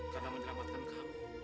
karena menyelamatkan kamu